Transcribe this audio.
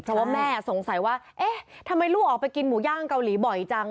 เพราะว่าแม่สงสัยว่าเอ๊ะทำไมลูกออกไปกินหมูย่างเกาหลีบ่อยจัง